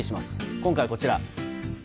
今回は、こちら。